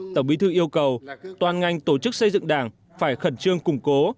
tổng bí thư yêu cầu toàn ngành tổ chức xây dựng đảng phải khẩn trương củng cố